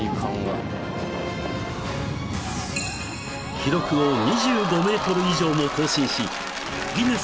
［記録を２５ｍ以上も更新し］